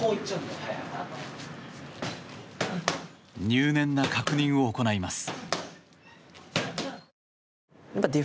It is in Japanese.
入念な確認を行います。